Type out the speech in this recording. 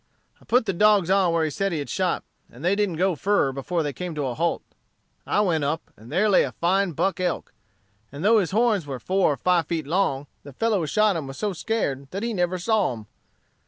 I put the dogs on where he said he had shot, and they didn't go fur before they came to a halt. I went up, and there lay a fine buck elk; and though his horns were four or five feet long, the fellow who shot him was so scared that he never saw them.